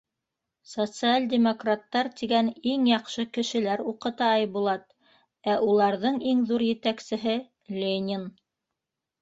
— Социал-демократтар тигән иң яҡшы кешеләр уҡыта, Айбулат, ә уларҙың иң ҙур етәксеһе Ленин...